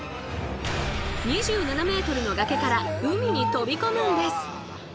２７ｍの崖から海に飛び込むんです！